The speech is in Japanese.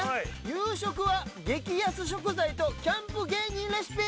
「夕食は激安食材とキャンプ芸人レシピ」